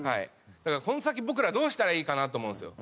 だからこの先僕らどうしたらいいかな？と思うんですよ。